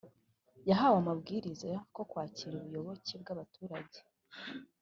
yahawe amabwiriza ko kwakira ubuyoboke bw abaturage